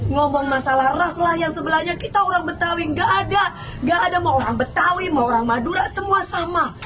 ngomong masalah ras lah yang sebelahnya kita orang betawi gak ada gak ada mau orang betawi mau orang madura semua sama